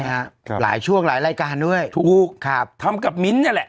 ใช่ครับหลายช่วงหลายรายการด้วยทำกับมิ้นเนี่ยแหละ